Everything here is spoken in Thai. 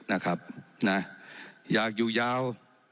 อยากอยู่ยาว